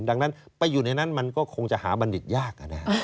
ดังนั้นไปอยู่ในนั้นมันก็คงจะหาบัณฑิตยาก